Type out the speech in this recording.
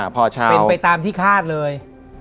เป็นไปตามที่คาดเลย